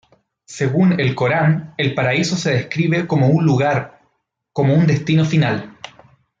Según el Corán, el paraíso se describe como un lugar, un destino final.